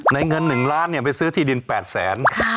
เงิน๑ล้านไปซื้อที่ดิน๘แสน